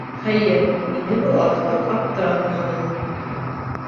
Хәйер, мине был артыҡ аптыратманы.